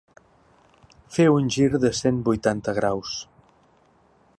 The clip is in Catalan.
Fer un gir de cent vuitanta graus.